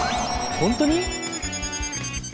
本当に？